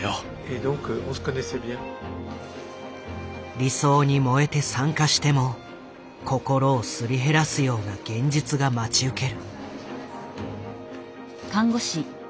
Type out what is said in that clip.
理想に燃えて参加しても心をすり減らすような現実が待ち受ける。